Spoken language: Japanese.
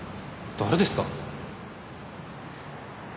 誰ですか？